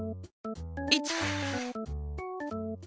１！